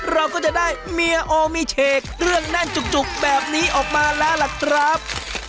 เราก็จะได้เมียโอมิเชคเรื่องแน่นจุกแบบนี้ออกมาแล้วล่ะครับ